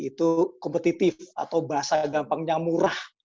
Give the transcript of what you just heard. itu kompetitif atau bahasa gampangnya murah